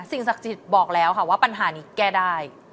สิ่งสักจิตบอกแล้วค่ะว่าปัญหานี้แก้ได้